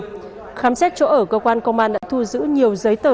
trong khi đó khám xét chỗ ở cơ quan công an đã thu giữ nhiều giấy tờ